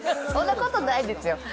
そんなことないですよ。